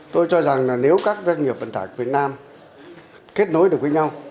tôi cho rằng là nếu các doanh nghiệp vận tải của việt nam kết nối được với nhau